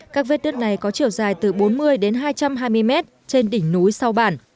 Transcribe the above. các vết đất này có chiều dài từ bốn mươi đến hai trăm hai mươi mét trên đỉnh núi sau bản